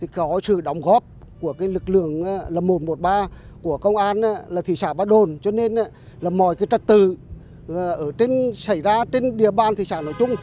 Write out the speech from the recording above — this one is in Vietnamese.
có sự đóng góp của lực lượng một trăm một mươi ba công an thị xã ba đồn cho nên mọi trật tự xảy ra trên địa bàn thị xã nói chung